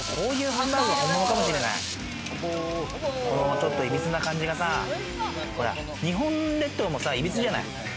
これも、ちょっといびつな感じがさ、ほら、日本列島もさ、いびつじゃない。